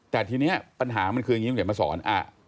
แต่ทีนี้ปัญหามันคืออย่างนี้คุณเดี๋ยวมาสอน